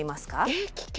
えっ危険？